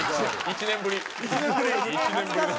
１年ぶりの。